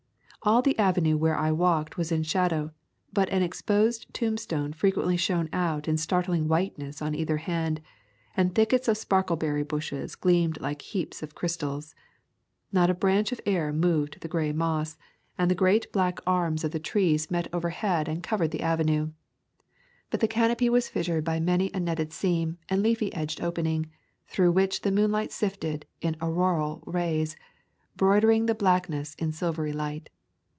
All the avenue where I walked was in shadow, but an exposed tombstone frequently shone out in startling whiteness on either hand, and thickets of sparkleberry bushes gleamed like heaps of crystals. Not a breath of air moved the gray moss, and the great black arms of the [ 74] Camping among the Tombs trees met overhead and covered the avenue. But the canopy was fissured by many a netted seam and leafy edged opening, through which the moonlight sifted in auroral rays, broidering the blackness in silvery light.